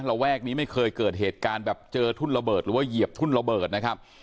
ระแวกนี้ไม่เคยเกิดเหตุการณ์แบบเจอทุ่นระเบิดหรือว่าเหยียบทุ่นระเบิดนะครับ